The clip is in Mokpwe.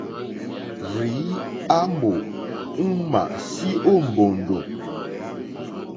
Rzìi a mò uŋmà syo o mbòndò.